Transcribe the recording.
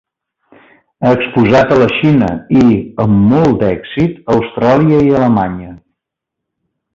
Ha exposat a la Xina i, amb molt d'èxit, a Austràlia i Alemanya.